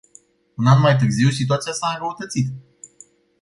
Un an mai târziu, situația s-a înrăutățit.